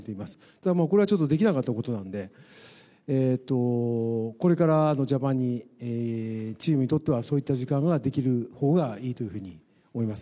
ただ、これはちょっとできなかったことなんで、これからのジャパンにチームにとっては、そういった時間ができるほうがいいというふうに思います。